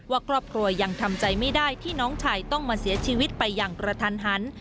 ว่าครอบครัวยังทำใจไม่ได้ที่น้องชายต้องมาเสียชีวิตไปอย่างกระทันหัน